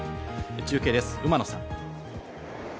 中継です、馬野さん。